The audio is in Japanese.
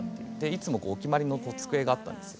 いつもお決まりの机があったんです。